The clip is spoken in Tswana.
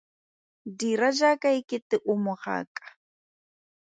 Dira jaaka e kete o mogaka.